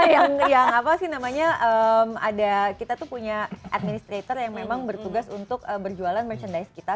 yang apa sih namanya ada kita tuh punya administrator yang memang bertugas untuk berjualan merchandise kita